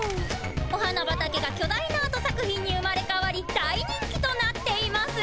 お花畑がきょ大なアート作品に生まれかわり大人気となっています。